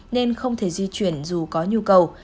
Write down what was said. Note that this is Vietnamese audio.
nên không thể di chuyển dù có nhu cầu